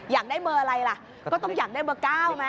อยากได้เบอร์อะไรล่ะก็ต้องอยากได้เบอร์๙ไหม